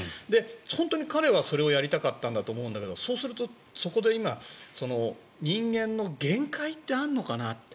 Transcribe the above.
本当に彼はそれをやりたかったんだと思うんだけどそうすると、そこで今人間の限界ってあるのかなって。